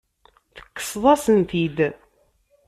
Tekkseḍ-asen-t-id.